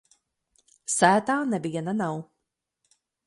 Sētā neviena nav.